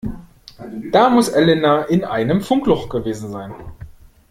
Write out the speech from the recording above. Da muss Elena in einem Funkloch gewesen sein.